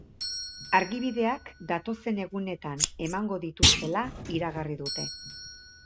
Argibideak datozen egunetan emango dituztela iragarri dute.